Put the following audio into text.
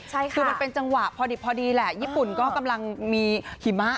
ใช่ค่ะคือมันเป็นจังหวะพอดิบพอดีแหละญี่ปุ่นก็กำลังมีหิมะ